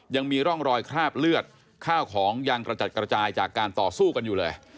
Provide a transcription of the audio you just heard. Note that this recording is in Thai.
ยังมีร่องรอยคราบเลือดข้าวของยังกระจัดกระจายจากการต่อสู้กันอยู่เลย